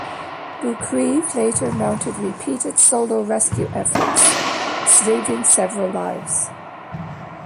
Boukreev later mounted repeated solo rescue efforts, saving several lives.